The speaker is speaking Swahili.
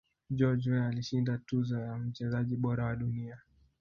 george Weah alishinda tuzo ya mchezaji bora wa dunia